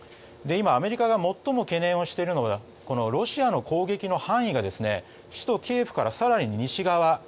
アメリカが最も懸念しているのがロシアの攻撃の範囲が首都キエフから更に西側。